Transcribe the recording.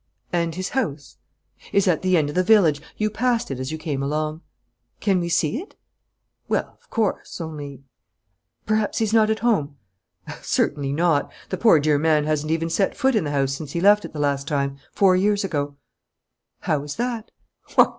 "And his house?" "Is at the end of the village. You passed it as you came along." "Can we see it?" "Well, of course ... only " "Perhaps he's not at home?" "Certainly not! The poor, dear man hasn't even set foot in the house since he left it the last time, four years ago!" "How is that?"